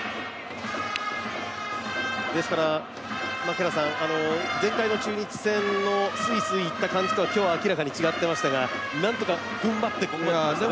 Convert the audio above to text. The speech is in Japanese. ですから、前回の中日戦のすいすいいった感じと今日は明らかに違ってましたがなんとか踏ん張ってここまできましたね。